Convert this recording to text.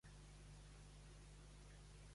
Inclou l'entitat municipal descentralitzada d'Arànser.